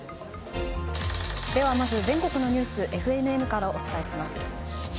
では、まず全国のニュースＦＮＮからお伝えします。